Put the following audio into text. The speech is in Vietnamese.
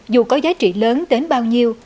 dù có giá trị lớn đến bao nhiêu